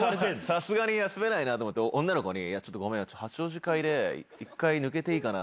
さすがに休めないなと思って、女の子に、いや、ちょっとごめん、八王子会で、一回抜けていいかな？